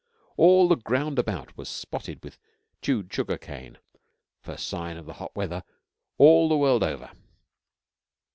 All the ground about was spotted with chewed sugarcane first sign of the hot weather all the world over.